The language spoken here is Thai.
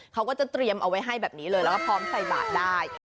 เขาก็จะเตรียมเอาไว้ให้แบบนี้เลยแล้วก็พร้อมใส่บาทได้